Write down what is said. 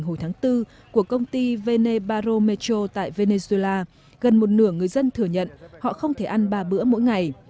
hồi tháng bốn của công ty venebarro metro tại venezuela gần một nửa người dân thừa nhận họ không thể ăn ba bữa mỗi ngày